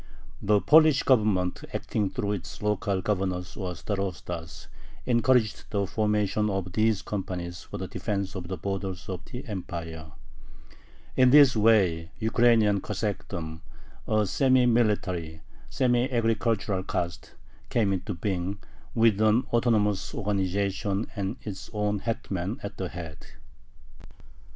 The Polish Government, acting through its local governors or starostas, encouraged the formation of these companies for the defense of the borders of the Empire. In this way Ukrainian Cossackdom, a semi military, semi agricultural caste, came into being, with an autonomous organization and its own hetman at the head.